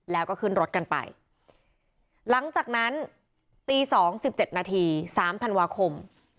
แล้วก็ขึ้นรถกันไปหลังจากนั้นตีสองสิบเจ็ดนาทีสามพันวาคม